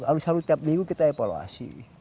harus tiap minggu kita evaluasi